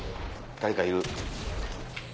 誰かいる。